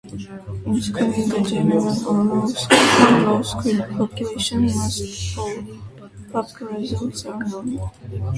In screening a general or low-risk population, most Pap results are normal.